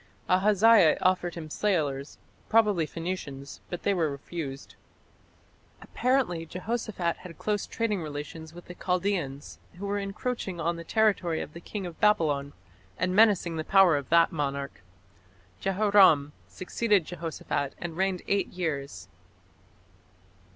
Ahaziah offered him sailors probably Phoenicians but they were refused. Apparently Jehoshaphat had close trading relations with the Chaldaeans, who were encroaching on the territory of the king of Babylon, and menacing the power of that monarch. Jehoram succeeded Jehoshaphat and reigned eight years.